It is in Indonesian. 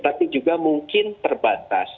tapi juga mungkin terbatas